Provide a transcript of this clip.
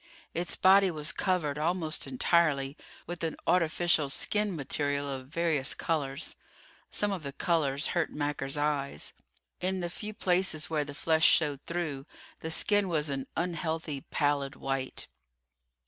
Its body was covered, almost entirely, with an artificial skin material of various colors. Some of the colors hurt Macker's eyes. In the few places where the flesh showed through the skin was an unhealthy, pallid white.